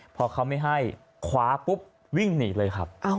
พอเขาไม่ให้คว้าปุ๊บวิ่งหนีเลยครับ